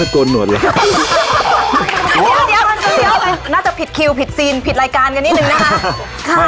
เดี๋ยวน่าจะผิดคิวผิดซีนน์ผิดรายการนะครับ